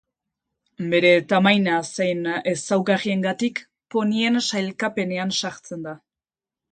Bere tamaina zein ezaugarriengatik ponien sailkapenean sartzen da.